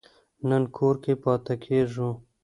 نن کور کې پاتې کیږو